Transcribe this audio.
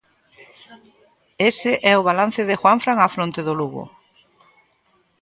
Ese é o balance de Juanfran á fronte do Lugo.